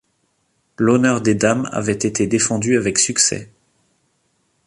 L'honneur des dames avait été défendu avec succès.